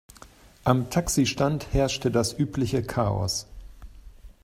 Am Taxistand herrschte das übliche Chaos.